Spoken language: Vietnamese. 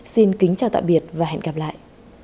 xin kính chào tạm biệt và hẹn gặp lại